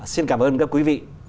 xin cảm ơn các quý vị